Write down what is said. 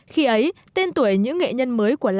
khi ấy tên tuổi những nghệ nhân mới của trống sẽ được tạo ra